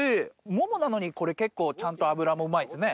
ももなのにこれ結構ちゃんと脂もうまいですね。